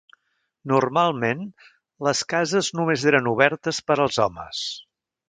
Normalment, les cases només eren obertes per als homes.